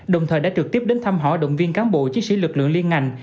đồng thời đã trực tiếp đến thăm hỏi động viên cán bộ chiến sĩ lực lượng liên ngành